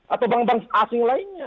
atau bank bank asing lainnya